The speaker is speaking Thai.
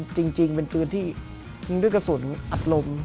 จริงเป็นปืนที่ยิงด้วยกระสุนอัดลม